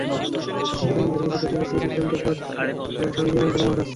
দুটি মন্দিরেই পৃথক দিনে শ্রী শ্রী চণ্ডীপাঠ করেন স্বামী বিবোধানন্দ মহারাজ।